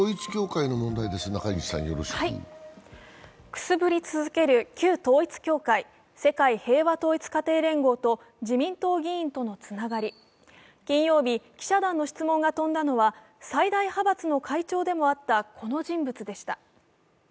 くすぶり続ける旧統一教会、世界平和統一家庭連合と自民党議員とのつながり、金曜日、記者団の質問が飛んだのは最大派閥の会長でもあったこの人物でした。